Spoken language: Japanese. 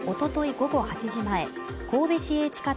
午後８時前神戸市営地下鉄